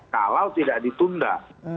kalau tidak ditunda